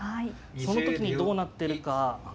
その時にどうなってるか。